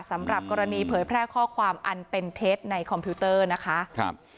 สำหรับกรณีเผยแพร่ข้อความอันเป็นเท็จในคอมพิวเตอร์นะคะครับ